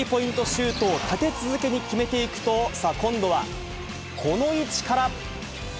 シュートを立て続けに決めていくと、さあ、今度は、この位置から。